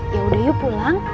ya udah yuk pulang